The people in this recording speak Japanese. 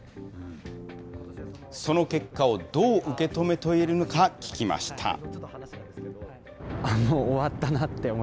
その結果をどう受け止めているのか聞きました。